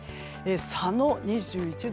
佐野、２１度。